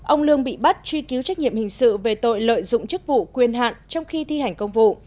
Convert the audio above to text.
ông lương bị bắt truy cứu trách nhiệm hình sự về tội lợi dụng chức vụ quyền hạn trong khi thi hành công vụ